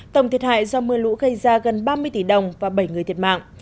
tổng thiệt hại do mưa lũ gây ra gần ba mươi tỷ đồng và bảy người thiệt mạng